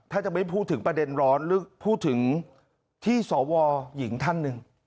ถ้าจะไม่พูดถึงประเด็นร้อนหรือพูดถึงที่สวหญิงท่านหนึ่ง